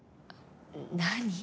何？